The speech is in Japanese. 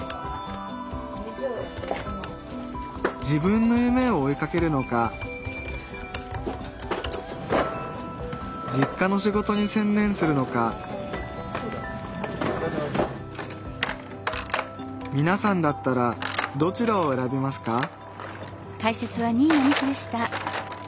自分の夢を追いかけるのか実家の仕事に専念するのかみなさんだったらどちらを選びますか？